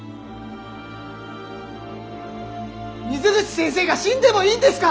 水口先生が死んでもいいんですか！？